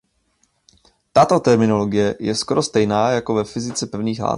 Tato terminologie je skoro stejná jako ve fyzice pevných látek.